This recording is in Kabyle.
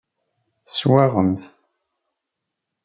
Teswaɣem-t.